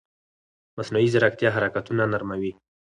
مصنوعي ځیرکتیا حرکتونه نرموي.